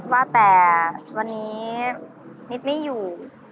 ว่าแต่วันนี้นิดไม่อยู่